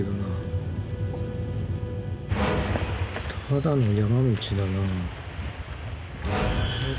ただの山道だなあ。